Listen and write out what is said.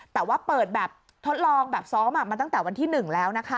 แต่ว่าเปิดแบบทดลองแบบซ้อมมาตั้งแต่วันที่๑แล้วนะคะ